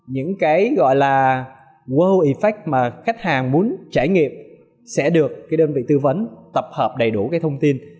những cái gọi là world efake mà khách hàng muốn trải nghiệm sẽ được cái đơn vị tư vấn tập hợp đầy đủ cái thông tin